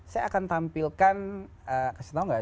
saya akan tampilkan kasih tau gak sih ya